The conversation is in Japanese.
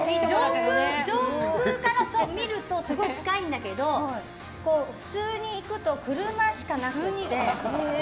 上空から見るとすごい近いんだけど普通に行くと車しかなくて。